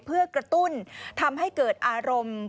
เพื่อกระตุ้นทำให้เกิดอารมณ์